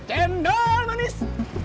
cendol manis dingin